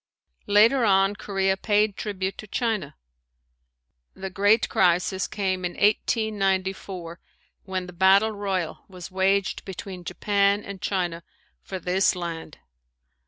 Later on Korea paid tribute to China. The great crisis came in 1894 when the battle royal was waged between Japan and China for this land.